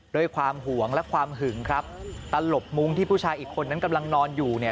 ด้วยความห่วงและความหึงครับตลบมุ้งที่ผู้ชายอีกคนนั้นกำลังนอนอยู่เนี่ย